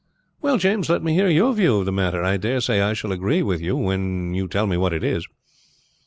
"Well, James, let me hear your view of the matter. I dare say I shall agree with you when you tell me what it is."